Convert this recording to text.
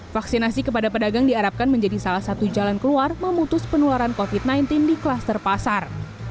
vaksinasi kepada pedagang diharapkan menjadi salah satu jalan keluar memutus penularan covid sembilan belas di kluster pasar